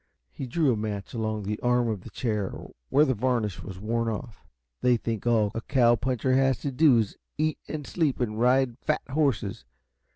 He drew a match along the arm of the chair where the varnish was worn off. "They think all a cow puncher has to do is eat and sleep and ride fat horses.